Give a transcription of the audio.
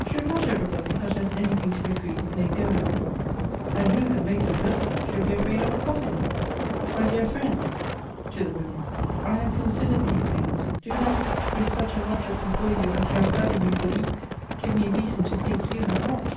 Should not every body that has any thing to bequeath make their will? And who, that makes a will, should be afraid of a coffin? My dear friends, [to the women] I have considered these things; do not, with such an object before you as you have had in me for weeks, give me reason to think you have not.